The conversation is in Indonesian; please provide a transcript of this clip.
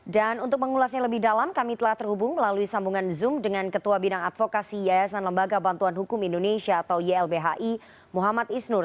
dan untuk mengulasnya lebih dalam kami telah terhubung melalui sambungan zoom dengan ketua bidang advokasi yayasan lembaga bantuan hukum indonesia atau ylbhi muhammad isnur